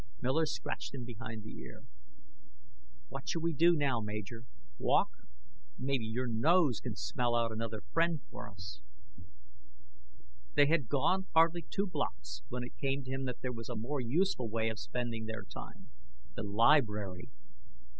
Miller scratched him behind the ear. "What shall we do now, Major? Walk? Maybe your nose can smell out another friend for us." They had gone hardly two blocks when it came to him that there was a more useful way of spending their time. The library!